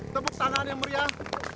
tepuk tangan yang meriah